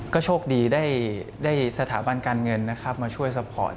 ก็โชคดีได้สถาบันการเงินนะครับมาช่วยซัพพอร์ต